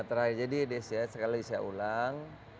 terakhir jadi des ya sekali lagi saya ulang